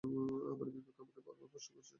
আমার বিবেক আমাকে বারবার প্রশ্ন করছে।